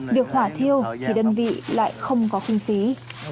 việc hỏa thiêu thì đơn vị lại không có khung phí